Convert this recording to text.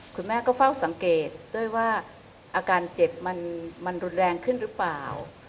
คุณแม่ก็เฝ้าสังเกตด้วยว่าอาการเจ็บมันรุนแรงขึ้นหรือเปล่า